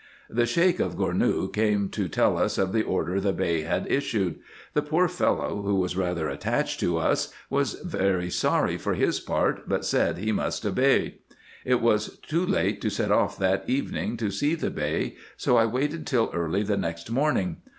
The Sheik of Gournou came to tell us of the order the Bey had issued. The poor fellow, who was rather attached to us, was sorry for his part, but said he must obey. It was too late to set off that evening to see the Bey, so I waited till early the next morning.